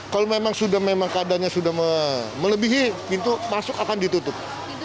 kalau memang keadaannya sudah melebihi pintu masuk akan ditutup